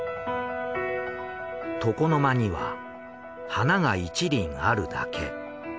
床の間には花が１輪あるだけ。